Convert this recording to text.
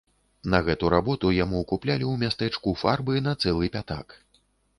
На гэту работу яму куплялі ў мястэчку фарбы на цэлы пятак.